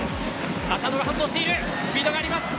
浅野が反応しているスピードがあります。